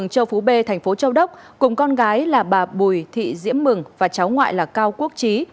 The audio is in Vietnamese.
châu phú b thành phố châu đốc cùng con gái là bà bùi thị diễm mừng và cháu ngoại là cao quốc trí